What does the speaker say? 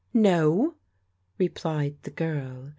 " No," replied the girl.